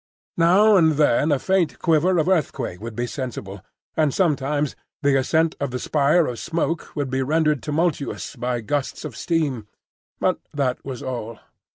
Now and then a faint quiver of earthquake would be sensible, and sometimes the ascent of the spire of smoke would be rendered tumultuous by gusts of steam; but that was all.